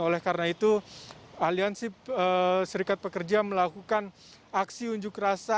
oleh karena itu aliansi serikat pekerja melakukan aksi unjuk rasa